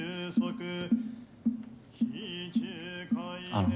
あの。